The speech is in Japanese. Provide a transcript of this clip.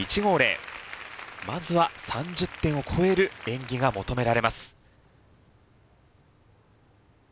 まずは３０点を超える演技が求められます。